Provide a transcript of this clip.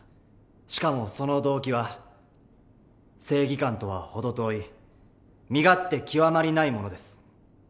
しかもその動機は正義感とは程遠い身勝手極まりないものです。